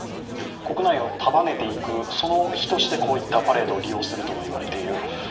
国内を束ねていくそのひとしてこのパレードが行われているともいわれている